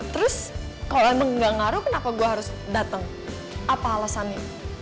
terus kalau emang gak ngaruh kenapa gue harus dateng apa alasannya